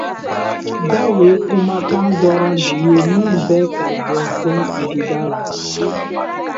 Dao ye kumakan dɔrɔn de ye min bɛ ka jɛnsɛn sigida la.